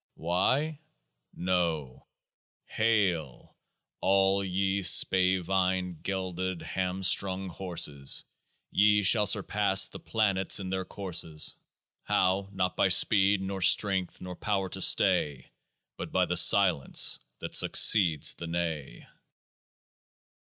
Hi ! Y? No. Hail ! all ye spavined, gelded, hamstrung horses ! Ye shall surpass the planets in their courses. How? Not by speed, nor strength, nor power to stay, But by the Silence that succeeds the Neigh